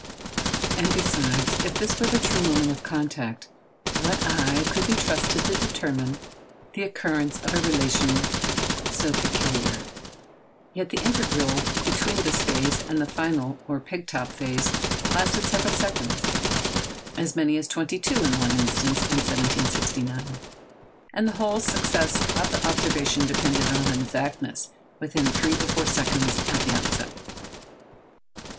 And, besides, if this were the true moment of contact, what eye could be trusted to determine the occurrence of a relation so peculiar? Yet the interval between this phase and the final or peg top phase lasted several seconds—as many as twenty two in one instance in 1769—and the whole success of the observation depended on exactness within three or four seconds at the outside.